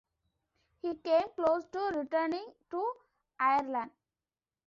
He came close to returning to Ireland.